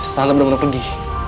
saya harus pergi